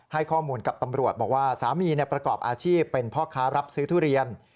ให้ข้อมูลกับตำรวจบอกว่าสามีประกอบอาชีพเป็นพ่อค้ารับซื้อทุเรียน